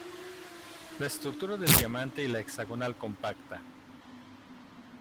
La estructura del diamante y la hexagonal compacta.